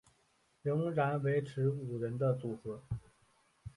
仍然维持五人的组合。